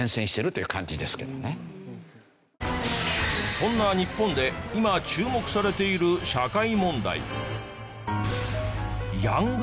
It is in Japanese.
そんな日本で今注目されている社会問題。